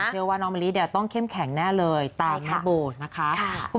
เชื่อว่าน้องมะลิเนี่ยต้องเข้มแข็งแน่เลยตามแม่โบนะคะ